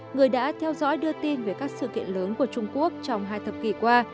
người đã theo dõi đưa tin về các sự kiện lớn của trung quốc trong hai thập kỷ qua